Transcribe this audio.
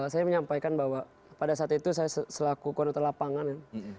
saya menyampaikan bahwa pada saat itu saya selaku konota lapangan ya